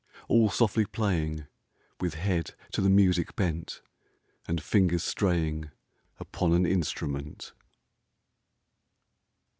All softly playing, With head to the music bent, And fingers straying Upon an instrument.